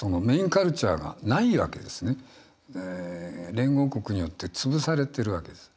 連合国によって潰されてるわけです。